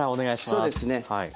そうですね。